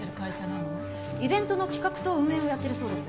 イベントの企画と運営をやってるそうです。